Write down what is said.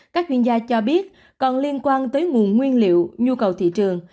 các chuyên gia cho biết còn liên quan tới nguồn nguyên liệu nhu cầu thị trường